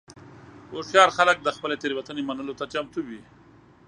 هوښیار خلک د خپلې تېروتنې منلو ته چمتو وي.